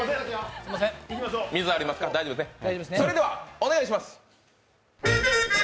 それではお願いします。